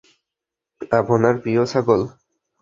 আপনার প্রিয় ছাগল।